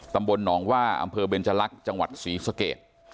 ตำบลหนองว่าอำเภอเบนจลักษณ์จังหวัดศรีสเกต